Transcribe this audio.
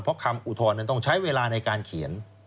เพราะคำอุทธรณ์นั้นต้องใช้เวลาในการเขียน